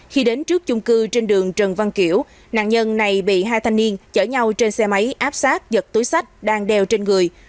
khi đến trước chung cư trên đường trần văn kiểu nạn nhân này bị hai thanh niên chở nhau trên xe máy áp sát giật túi sách đang đeo trên người